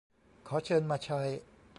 ขอเชิญมาใช้